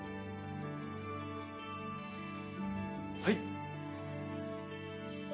はい！